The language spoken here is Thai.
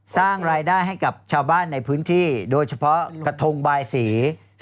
สร้างรายได้ให้กับชาวบ้านในพื้นที่โดยเฉพาะกระทงบายสี